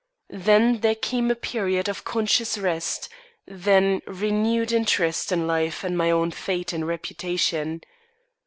Then there came a period of conscious rest, then renewed interest in life and my own fate and reputation.